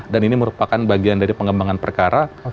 dan ini merupakan bagian dari pengembangan perkara